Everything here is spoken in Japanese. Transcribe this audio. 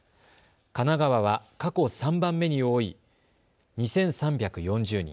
神奈川は過去３番目に多い２３４０人。